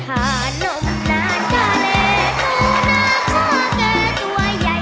อ่าววววววว